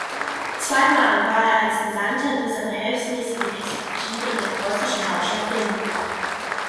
Zwei Mal war er als Gesandter dieser behelfsmäßigen Exekutive in der preußischen Hauptstadt Berlin.